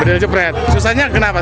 bedil jepret susahnya kenapa